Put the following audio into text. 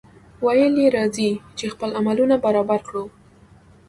ویل یې راځئ! چې خپل عملونه برابر کړو.